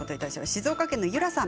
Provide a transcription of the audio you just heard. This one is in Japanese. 静岡県の方。